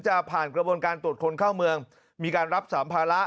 จะผ่านกระบวนการตรวจคนเข้าเมืองมีการรับสัมภาระ